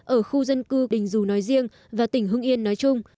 ở khu dân cư đình dù nói riêng và tỉnh hưng yên nói chung